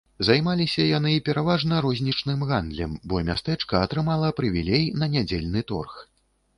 Займаліся яны пераважна рознічным гандлем, бо мястэчка атрымала прывілей на нядзельны торг.